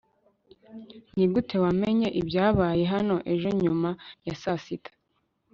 nigute wamenye ibyabaye hano ejo nyuma ya saa sita